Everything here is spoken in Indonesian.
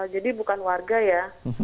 jadi bukan warga ya